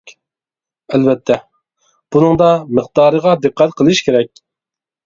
ئەلۋەتتە، بۇنىڭدا مىقدارىغا دىققەت قىلىش كېرەك.